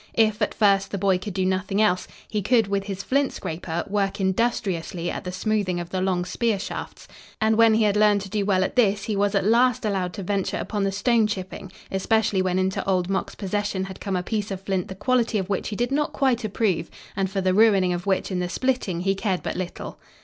If, at first, the boy could do nothing else, he could, with his flint scraper, work industriously at the smoothing of the long spear shafts, and when he had learned to do well at this he was at last allowed to venture upon the stone chipping, especially when into old Mok's possession had come a piece of flint the quality of which he did not quite approve and for the ruining of which in the splitting he cared but little.